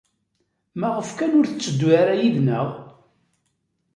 Maɣef kan ur tetteddu ara yid-neɣ?